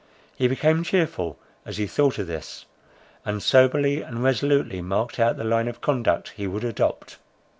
He became cheerful, as he thought of this, and soberly and resolutely marked out the line of conduct he would adopt.